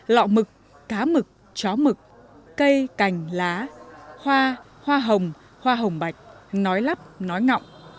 lọ mực cá mực chó mực cây cành lá hoa hồng hoa hồng bạch nói lắp nói ngọng